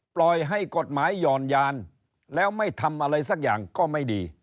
ปล่อยให้กฎหมายห่อนยานแล้วไม่ทำอะไรสักอย่างก็ไม่ดี